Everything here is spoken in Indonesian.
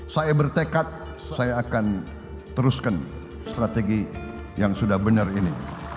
saya bertekad saya akan teruskan strategi yang sudah benar ini